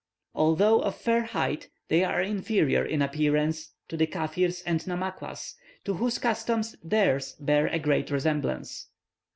Although of fair height, they are inferior in appearance to the Kaffirs and Namaquas, to whose customs theirs bear a great resemblance.